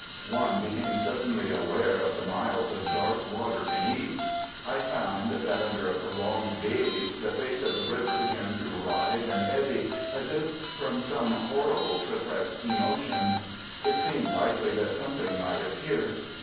One became suddenly aware of the miles of dark water beneath. I found that under a prolonged gaze the face of the river began to writhe and eddy, as if from some horrible suppressed emotion. It seemed likely that something might appear.